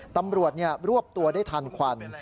ตำรวจรวบตัวได้ทันควัน